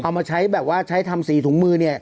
เอามาใช้แบบว่าใช้ทำสีถุงมือเนี่ย